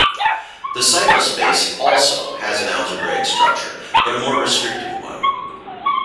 The cycle space, also, has an algebraic structure, but a more restrictive one.